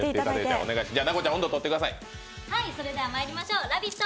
それではまいりましょう「ラヴィット！」